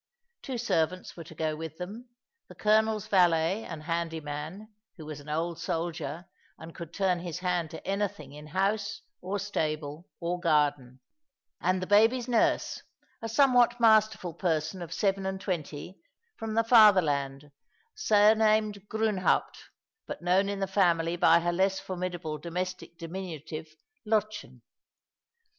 Two servants were to go with them — the colonel's valet and handy man, who was an old soldier, and could turn his hand to any thing in house, or stable, or garden ; and the baby's nurse, a somewhat masterful person of seven and twenty, from the Fatherland, surnamed Grunhaupt, but known in the family by her less formidable domestic diminutive Lottchen.